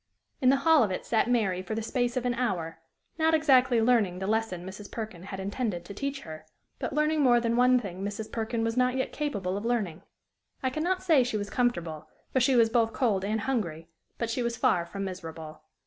In the hall of it sat Mary for the space of an hour, not exactly learning the lesson Mrs. Perkin had intended to teach her, but learning more than one thing Mrs. Perkin was not yet capable of learning. I can not say she was comfortable, for she was both cold and hungry; but she was far from miserable.